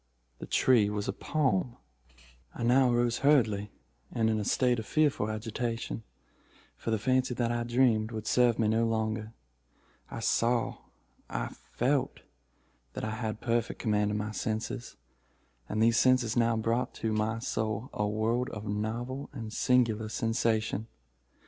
The tree was a palm. "I now arose hurriedly, and in a state of fearful agitation—for the fancy that I dreamed would serve me no longer. I saw—I felt that I had perfect command of my senses—and these senses now brought to my soul a world of novel and singular sensation.